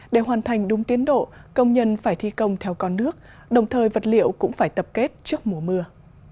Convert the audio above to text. để hoàn thành đúng tiến độ công nhân phải thi công theo con nước đồng thời vật liệu cũng phải tập kết trước mùa mưa